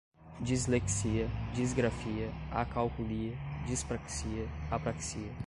dislexia, disgrafia, acalculia, dispraxia, apraxia